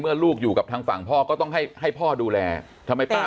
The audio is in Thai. ลูกอยู่กับทางฝั่งพ่อก็ต้องให้ให้พ่อดูแลทำไมป้า